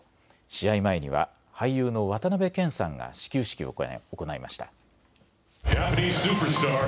試合前には俳優の渡辺謙さんが始球式を行いました。